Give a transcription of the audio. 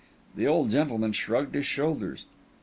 The old gentleman shrugged his shoulders.